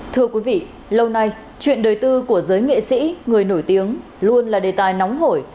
thưa quý vị lâu nay chuyện đời tư của giới nghệ sĩ người nổi tiếng luôn là đề tài nóng hổi